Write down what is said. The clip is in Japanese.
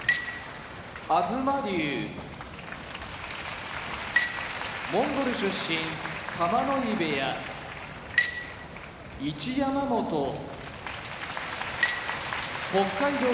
東龍モンゴル出身玉ノ井部屋一山本北海道